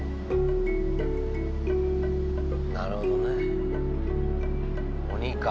なるほどね鬼か。